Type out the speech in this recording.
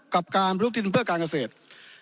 กับการลุกดินเพื่อการเกษตร